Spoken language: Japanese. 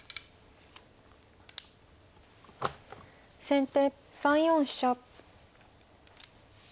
先手３四飛車。